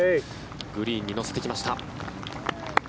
グリーンに乗せてきました。